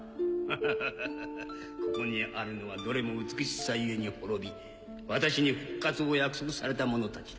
フフフここにあるのはどれも美しさゆえに滅び私に復活を約束されたものたちだ。